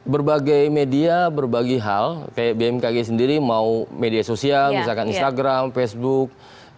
berbagai media berbagai hal kayak bmkg sendiri mau media sosial misalkan instagram facebook